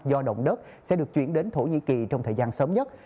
do động đất sẽ được chuyển đến thổ nhĩ kỳ trong thời gian sớm nhất